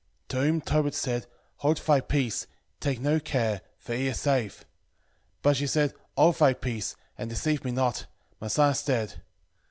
10:6 To whom Tobit said, Hold thy peace, take no care, for he is safe. 10:7 But she said, Hold thy peace, and deceive me not; my son is dead.